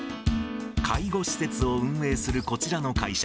介護施設を運営するこちらの会社。